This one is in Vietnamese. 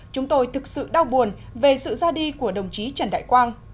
chúng tôi thực sự đau buồn về sự ra đi của đồng chí trần đại quang